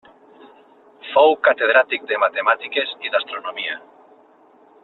Fou catedràtic de Matemàtiques i d'Astronomia.